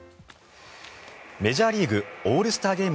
メジャーリーグオールスター